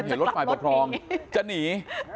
เห็นรถฝ่ายปกครองจะหนี